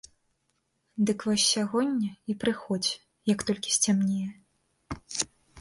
Дык вось сягоння і прыходзь, як толькі сцямнее.